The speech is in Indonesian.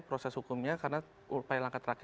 proses hukumnya karena upaya langkah terakhir